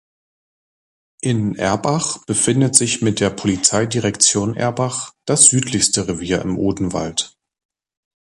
In Erbach befindet sich mit der Polizeidirektion Erbach das südlichste Revier im Odenwald.